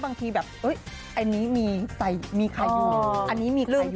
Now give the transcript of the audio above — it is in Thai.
บางทีแบบอันนี้มีไข่อยู่อันนี้มีคลื่นอยู่